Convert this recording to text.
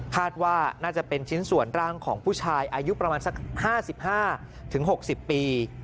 คาดว่าน่าจะเป็นชิ้นส่วนร่างของผู้ชายอายุประมาณสัก๕๕๖๐ปี